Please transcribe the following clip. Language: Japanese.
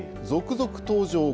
続々登場！